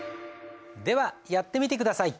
ではやってみて下さい。